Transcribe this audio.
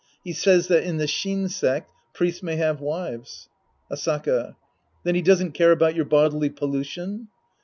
He says that in the Shin sect priests may have wives. Asaka. Then he doesn't care about your bodily pollution